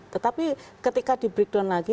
tetapi ketika di breakdown lagi